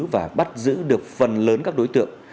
và bắt giữ được phần lớn các đối tượng